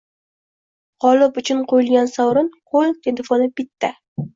Gʻolib uchun qoʻyilgan sovrin – qoʻl telefoni bitta!